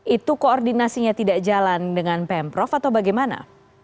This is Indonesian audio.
itu koordinasinya tidak jalan dengan pemprov atau bagaimana